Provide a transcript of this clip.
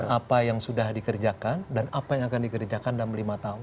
apa yang sudah dikerjakan dan apa yang akan dikerjakan dalam lima tahun